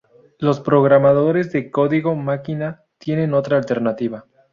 Los programadores de código máquina tienen otra alternativa.